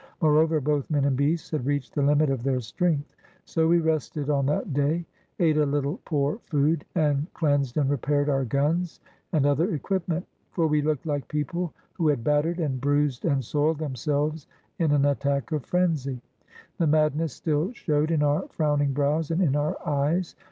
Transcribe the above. Moreover, both men and beasts had reached the limit of their strength. So we rested on that day, ate a little poor food, and cleansed and repaired our guns and other equipment ; for we looked like people who had battered and bruised and soiled themselves in an attack of frenzy. The mad ness still showed in our frowning brows and in our eyes.